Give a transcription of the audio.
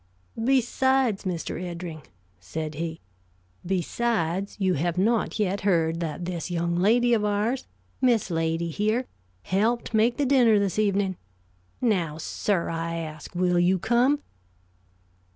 "Besides, Mr. Eddring," said he; "besides, you have not yet heard that this young lady of ours, Miss Lady, here, helped make the dinner this evenin'. Now, sir, I ask, will you come?"